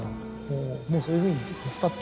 もうそういうふうにスパっと。